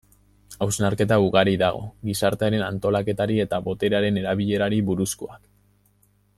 Hausnarketa ugari dago, gizartearen antolaketari eta boterearen erabilerari buruzkoak.